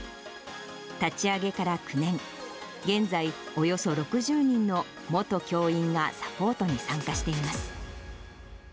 立ち上げから９年、現在、およそ６０人の元教員がサポートに参加しています。